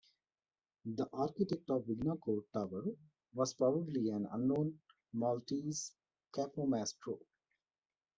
The architect of Wignacourt Tower was probably an unknown Maltese "capomastro".